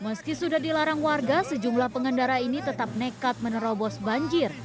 meski sudah dilarang warga sejumlah pengendara ini tetap nekat menerobos banjir